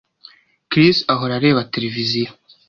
Chris ahora areba televiziyo